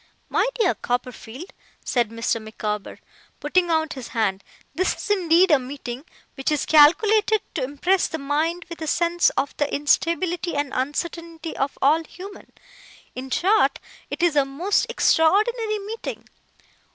'My dear Copperfield,' said Mr. Micawber, putting out his hand, 'this is indeed a meeting which is calculated to impress the mind with a sense of the instability and uncertainty of all human in short, it is a most extraordinary meeting.